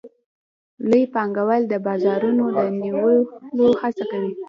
لوی پانګوال د بازارونو د نیولو هڅه کوي